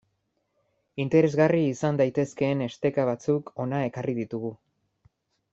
Interesgarri izan daitezkeen esteka batzuk hona ekarri ditugu.